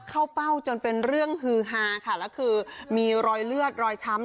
เป้าจนเป็นเรื่องฮือฮาค่ะแล้วคือมีรอยเลือดรอยช้ำ